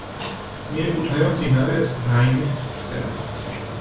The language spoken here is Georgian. მიეკუთვნება მდინარე რაინის სისტემას.